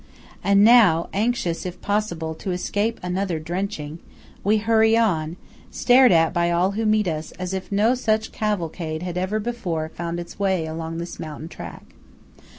And now, anxious if possible to escape another drenching, we hurry on; stared at by all who meet us, as if no such cavalcade had ever before found its way along this mountain track.